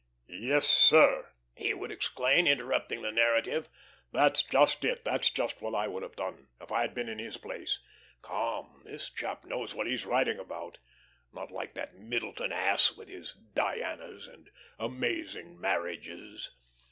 "Yes, sir," he would exclaim, interrupting the narrative, "that's just it. That's just what I would have done if I had been in his place. Come, this chap knows what he's writing about not like that Middleton ass, with his 'Dianas' and 'Amazing Marriages.'"